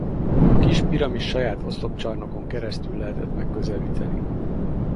A kis piramist saját oszlopcsarnokon keresztül lehetett megközelíteni.